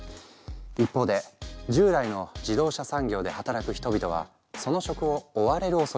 一方で従来の自動車産業で働く人々はその職を追われるおそれがある。